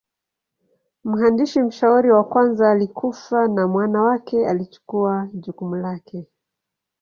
Mhandisi mshauri wa kwanza alikufa na mwana wake alichukua jukumu lake.